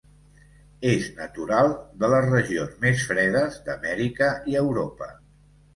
És natural de les regions més fredes d'Amèrica i Europa.